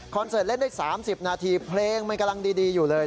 เสิร์ตเล่นได้๓๐นาทีเพลงมันกำลังดีอยู่เลย